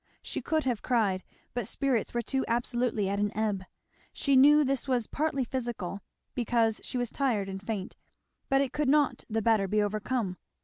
She could have cried, but spirits were too absolutely at an ebb. She knew this was partly physical, because she was tired and faint, but it could not the better be overcome.